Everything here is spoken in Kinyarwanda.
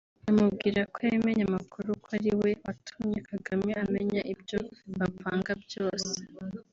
amubwira ko yamenye amakuru ko ariwe watumye Kagame amenya ibyo bapanga byose